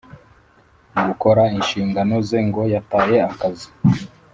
Gukora inshingano ze ngo yataye akazi